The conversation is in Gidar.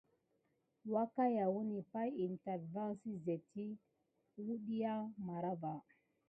Wakayawəni ɓay inda vaŋ si sezti wuadiya marava.